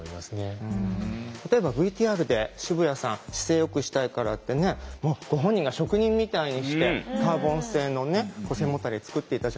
例えばＶＴＲで渋谷さん姿勢よくしたいからってねご本人が職人みたいにしてカーボン製のね背もたれ作っていたじゃないですか。